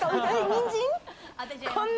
にんじん？